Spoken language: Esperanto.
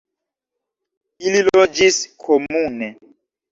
Ili loĝis komune.